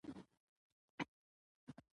خاوره د افغانستان د طبیعي پدیدو یو رنګ دی.